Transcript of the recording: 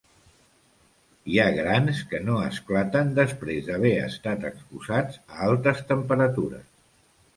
Hi ha grans que no esclaten després d'haver estat exposats a altes temperatures.